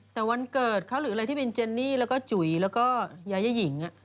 แต่วันเกิดเขาหรืออะไรที่เป็นเจนนี่แล้วก็จุ๋ยแล้วก็ยายาหญิง